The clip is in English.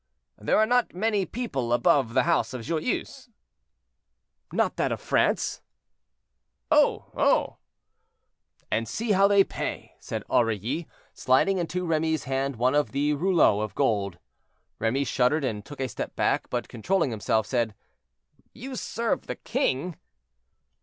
"There are not many people above the house of Joyeuse." "Not that of France?" "Oh! oh!" "And see how they pay." said Aurilly, sliding into Remy's hand one of the rouleaux of gold. Remy shuddered and took a step back, but controlling himself, said: "You serve the king?"